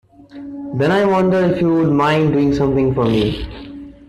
Then I wonder if you would mind doing something for me.